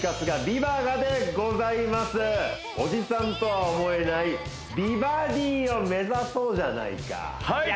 ビバガでございますおじさんとは思えない美バディを目指そうじゃないかはい！